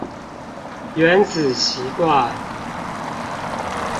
原子習慣